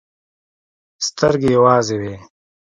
سترګې يې وازې وې.